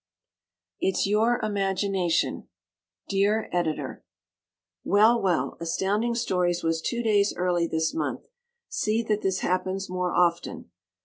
It's Your Imagination Dear Editor: Well, well! Astounding Stories was two days early this month. See that this happens more often.